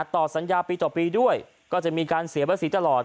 ต่อสัญญาปีต่อปีด้วยก็จะมีการเสียภาษีตลอด